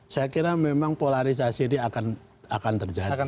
saya kira memang polarisasi ini akan terjadi